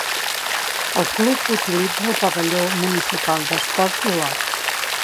El club utilitza el Pavelló Municipal d'Esports d'Olot.